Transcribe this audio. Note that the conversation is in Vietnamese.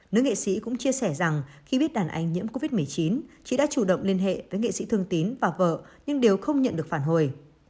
nữ nghệ sĩ cũng chia sẻ rằng khi biết đàn anh nhiễm covid một mươi chín chị đã chủ động liên hệ với nghệ sĩ thương tín và vợ nhưng đều không nhận được phản hồi